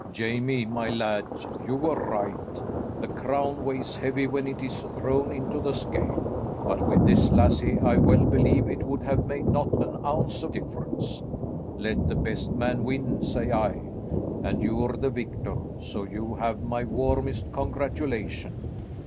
"Jamie, my lad, you were right. The crown weighs heavy when it is thrown into the scale, but with this lassie I well believe it would have made not an ounce of difference. Let the best man win, say I, and you're the victor, so you have my warmest congratulation.